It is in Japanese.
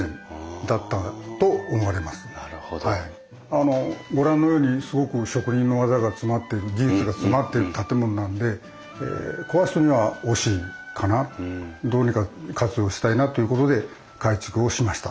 あのご覧のようにすごく職人の技が詰まっている技術が詰まっている建物なので壊すには惜しいかなどうにか活用したいなということで改築をしました。